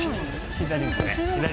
左ですね。